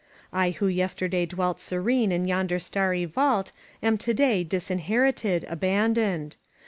... I who yesterday dwelt serene in yonder starry vault am to day disin herited, abandoned.